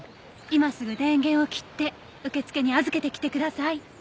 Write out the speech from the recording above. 今すぐ電源を切って受付に預けてきてください。